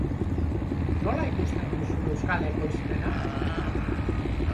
Nola ikusten duzu euskal ekoizpena?